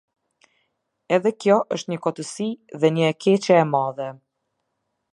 Edhe kjo është një kotësi dhe një e keqe e madhe.